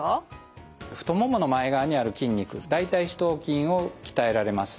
太ももの前側にある筋肉大腿四頭筋を鍛えられます。